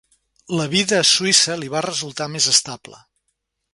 La vida a Suïssa li va resultar més estable.